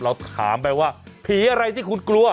เราถามไปว่าผีอะไรที่คุณกลัว